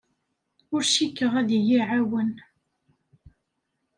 Ur cikkeɣ ad iyi-iɛawen.